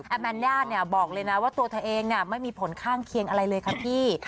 แมนด้าเนี่ยบอกเลยนะว่าตัวเธอเองไม่มีผลข้างเคียงอะไรเลยครับพี่